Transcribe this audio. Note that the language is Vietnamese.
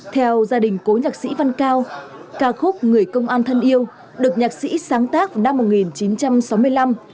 theo gia đình cố nhạc sĩ văn cao ca khúc người công an thân yêu được nhạc sĩ sáng tác năm một nghìn chín trăm sáu mươi năm